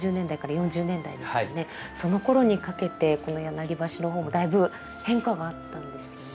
そのころにかけてこの柳橋の方もだいぶ変化があったんですよね。